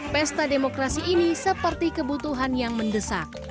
pesta demokrasi ini seperti kebutuhan yang mendesak